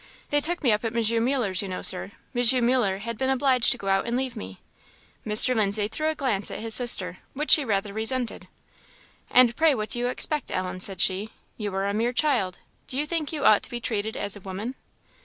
They took me up at M. Muller's, you know, Sir; M. Muller had been obliged to go out and leave me." Mr. Lindsay threw a glance at his sister, which she rather resented. "And pray what do you expect, Ellen?" said she. "You are a mere child; do you think you ought to be treated as a woman?"